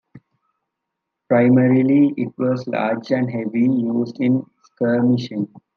Primarily, it was large and heavy, used in skirmishing.